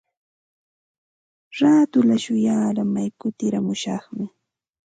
Raatulla shuyaaramay kutiramushaqmi.